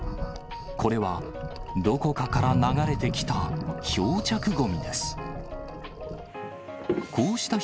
これは、どこかから流れてきた漂着ごみです。